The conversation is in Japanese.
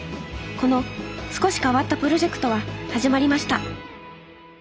この少し変わったプロジェクトは始まりました